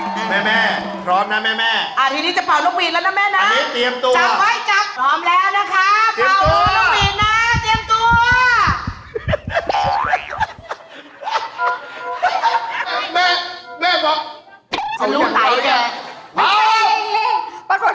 ทำสำเร็จรับไว้เลย๓๐๐๐๐บาท